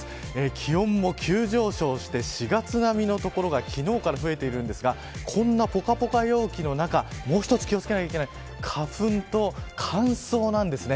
気温も急上昇して４月並みの所が昨日から増えているんですがこんなぽかぽか陽気の中もう一つ気を付けなきゃいけない花粉と乾燥なんですね。